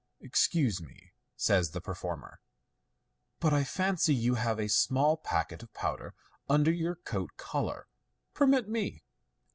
" Excuse me," says the performer, " but I fancy you have a small packet of powder under your coat collar. Permit me!"